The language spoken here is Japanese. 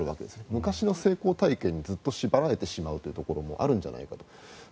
昔の成功体験にずっと縛られてしまうところもあるんじゃないかと。